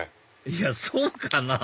いやそうかな？